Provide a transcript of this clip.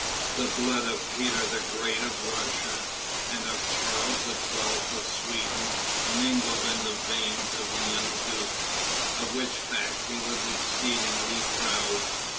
The blood of Peter the Great of Russia, and of Charles the Twelfth of Sweden mingled in the veins of the young duke, of which fact he was exceedingly proud.